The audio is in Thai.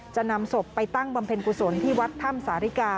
จะนำศพไปตั้งบำเพ็ญกุศลที่วัดถ้ำสาริกา